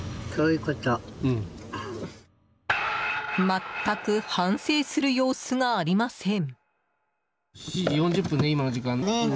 全く反省する様子がありません。